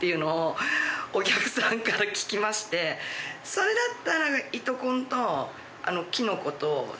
それだったら。